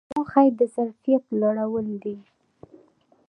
موخه یې د ظرفیت لوړول دي.